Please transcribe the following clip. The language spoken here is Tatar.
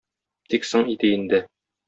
Тик соң иде инде.